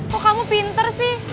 kok kamu pinter sih